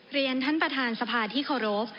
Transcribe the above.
เรียนท่านประธานสภาที่เคารพ